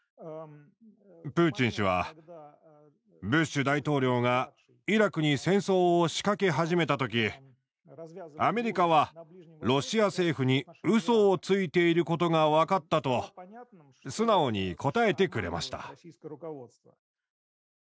プーチン氏は「ブッシュ大統領がイラクに戦争を仕掛け始めた時アメリカはロシア政府にうそをついていることが分かった」と素直に答えてくれました。